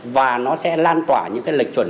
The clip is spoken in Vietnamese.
và nó sẽ lan tỏa những cái lịch chuẩn